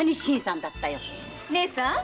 義姉さん。